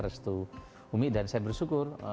restu umi dan saya bersyukur